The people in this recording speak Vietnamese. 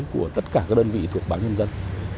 của tất cả đơn vị thuộc báo nhân dân